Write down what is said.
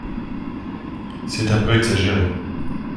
C’est un peu exagéré